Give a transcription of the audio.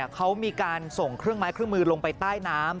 เขามีการส่งเครื่องไม้เครื่องมือลงไปใต้น้ำ